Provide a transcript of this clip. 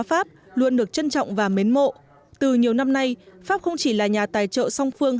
pháp luôn được trân trọng và mến mộ từ nhiều năm nay pháp không chỉ là nhà tài trợ song phương